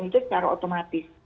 itu secara otomatis